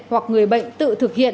hoặc người bệnh tự thực hiện